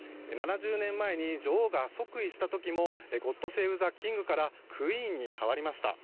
７０年前に女王が即位したときも「ゴッド・セーブ・ザキング」から「クイーン」に変わりました。